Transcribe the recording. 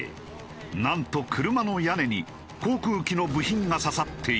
なんと車の屋根に航空機の部品が刺さっている。